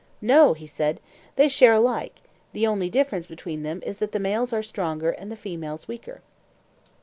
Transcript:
No, he said, they share alike; the only difference between them is that the males are stronger and the females weaker.